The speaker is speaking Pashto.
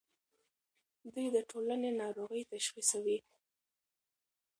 دوی د ټولنې ناروغۍ تشخیصوي.